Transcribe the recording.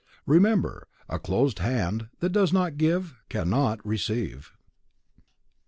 Remember, a closed hand that does not give cannot receive.